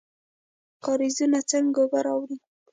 کاریزونه څنګه اوبه راوړي؟